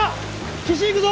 岸行くぞ！